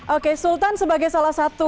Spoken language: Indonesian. oke sultan sebagai salah satu